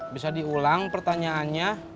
bisa diulang pertanyaannya